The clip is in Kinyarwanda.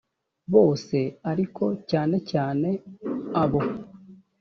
bose ariko cyane cyane abo